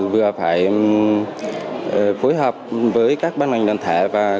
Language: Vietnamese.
vừa phải phối hợp với các ban ngành đoàn thể và